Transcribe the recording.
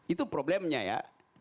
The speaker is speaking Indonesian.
itu problemnya ya